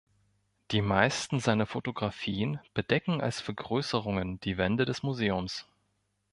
Die meisten seiner Fotografien bedecken als Vergrößerungen die Wände des Museums.